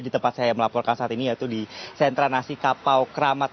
di tempat saya melaporkan saat ini yaitu di sentra nasi kapau kramat